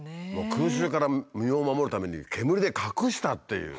空襲から身を守るために煙で隠したっていう。